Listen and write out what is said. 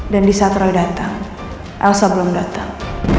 dan di saat roy datang elsa belum datang